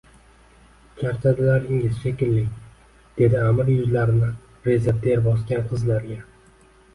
— Charchadilaringiz shekilli, — dedi Аmir yuzlarini reza ter bosgan qizlarga.